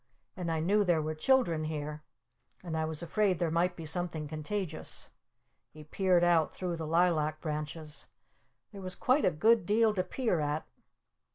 And I knew there were children here! And I was afraid there might be something contagious!" He peered out through the Lilac Branches. There was quite a good deal to peer at.